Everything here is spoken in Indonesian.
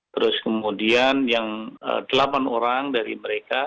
terus kemudian yang delapan orang dari mereka